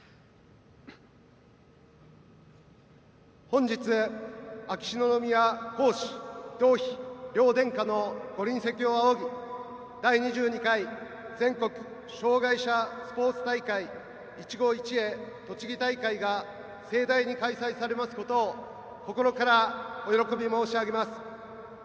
本日、秋篠宮皇嗣同妃両殿下のご臨席を仰ぎ第２２回全国障害者スポーツ大会「いちご一会とちぎ大会」が盛大に開催されますことを心からお喜び申し上げます。